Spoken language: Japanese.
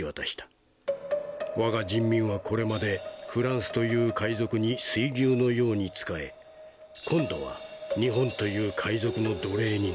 我が人民はこれまでフランスという海賊に水牛のように仕え今度は日本という海賊の奴隷になった。